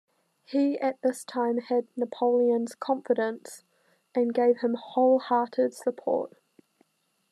He at this time had Napoleon's confidence, and gave him wholehearted support.